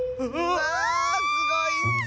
⁉わあすごいッス！